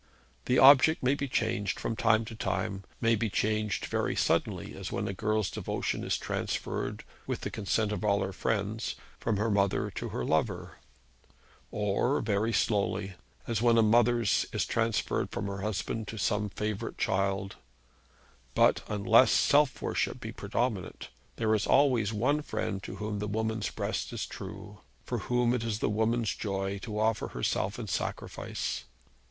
The object may be changed from time to time, may be changed very suddenly, as when a girl's devotion is transferred with the consent of all her friends from her mother to her lover; or very slowly, as when a mother's is transferred from her husband to some favourite child; but, unless self worship be predominant, there is always one friend to whom the woman's breast is true, for whom it is the woman's joy to offer herself in sacrifice.